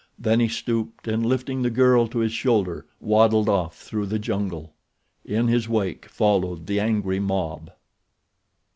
Then he stooped and lifting the girl to his shoulder waddled off through the jungle. In his wake followed the angry mob.